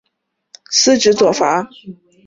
司职左闸。